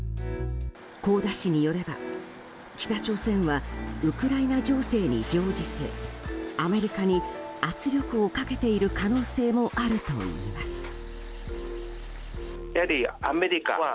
香田氏によれば北朝鮮はウクライナ情勢に乗じてアメリカに圧力をかけている可能性もあるといいます。